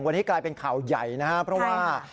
วันนี้กลายเป็นข่าวใหญ่นะครับเพราะว่า